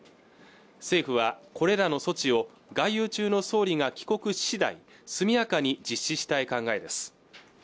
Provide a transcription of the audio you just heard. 政府はこれらの措置を外遊中の総理が帰国し次第速やかに実施したい考えです